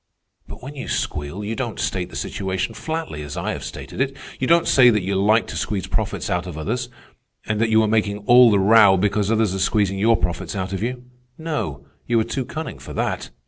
"But when you squeal you don't state the situation flatly, as I have stated it. You don't say that you like to squeeze profits out of others, and that you are making all the row because others are squeezing your profits out of you. No, you are too cunning for that.